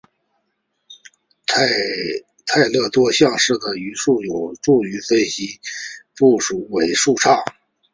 泰勒多项式的余数项有助于分析局部截尾误差。